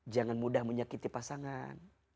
jangan mudah menyakiti pasangan